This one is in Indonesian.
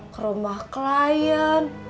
ke rumah klien